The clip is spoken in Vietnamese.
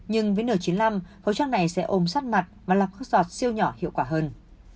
nhưng với n chín mươi năm khẩu trang này sẽ ôm sắt mặt và lọc các giọt siêu nhỏ hiệu quả hơn